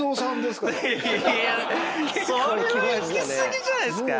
それはいき過ぎじゃないっすか？